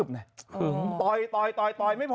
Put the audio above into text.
ฮ่า